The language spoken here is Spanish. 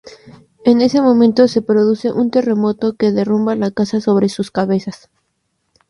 En ese momento se produce un terremoto que derrumba la casa sobre sus cabezas.